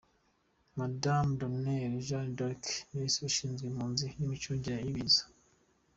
Madamu Debonheur Jeanne d’Arc, Minisitiri ushinzwe Impunzi n’Imicungire y‘Ibiza.